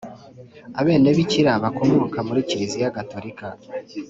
Abenebikira bakomoka muri Kiliziya Gatolika